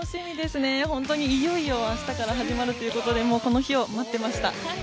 本当に、いよいよ明日から始まるということでこの日を待ってました。